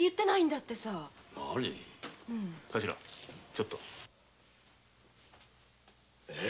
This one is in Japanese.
ちょっと。